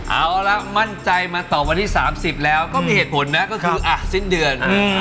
เอาละมั่นใจมาต่อวันที่๓๐แล้วก็มีเหตุผลนะก็คือสิ้นเดือน